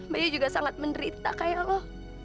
bayi juga sangat menderita kayak lo